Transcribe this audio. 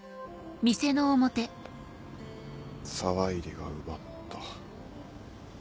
沢入が奪った。